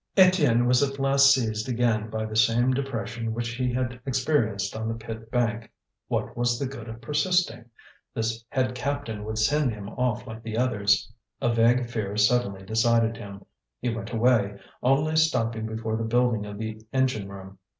Étienne was at last seized again by the same depression which he had experienced on the pit bank. What was the good of persisting? This head captain would send him off like the others. A vague fear suddenly decided him: he went away, only stopping before the building of the engine room.